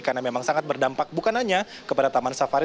karena memang sangat berdampak bukan hanya kepada taman safari